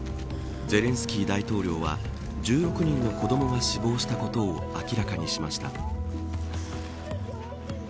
ゼレンスキー大統領は１６人の子どもが死亡したことを明らかにしました。